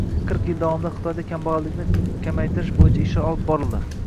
Qirq yil davomida Xitoyda kambag‘allikni kamaytirish bo‘yicha ishlar olib borildi.